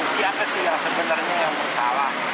sidang kasus kopi bersianida